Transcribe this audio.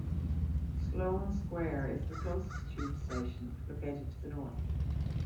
Sloane Square is the closest tube station, located to the north.